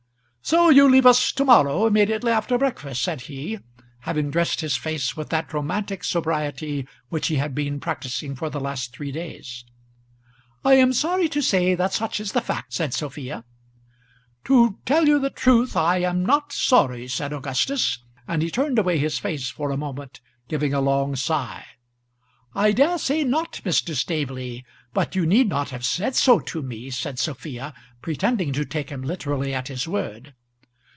"So you leave us to morrow, immediately after breakfast," said he, having dressed his face with that romantic sobriety which he had been practising for the last three days. "I am sorry to say that such is the fact," said Sophia. "To tell you the truth I am not sorry," said Augustus; and he turned away his face for a moment, giving a long sigh. "I dare say not, Mr. Staveley; but you need not have said so to me," said Sophia, pretending to take him literally at his word.